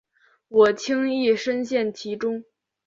我轻易陷身其中